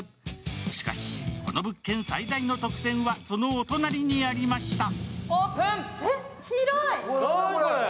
しかし、この物件最大の特典はそのお隣にありました。